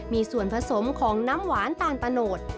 มีส่วนผสมของน้ำหวานตาลตะโนด